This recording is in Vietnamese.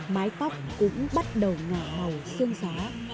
mái tóc cũng bắt đầu ngả màu xương gió